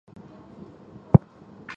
并河因幡守宗隆之弟。